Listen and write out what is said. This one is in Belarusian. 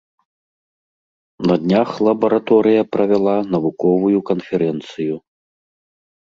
На днях лабараторыя правяла навуковую канферэнцыю.